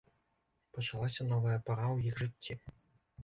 Пачалася новая пара ў іх жыцці.